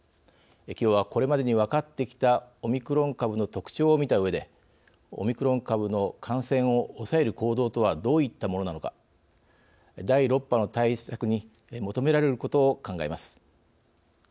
きょうはこれまでに分かってきたオミクロン株の特徴を見たうえでオミクロン株の感染を抑える行動とはどういったものなのか第６波の対策に求められることを考えます。